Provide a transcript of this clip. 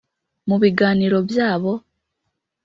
mu biganiro byabo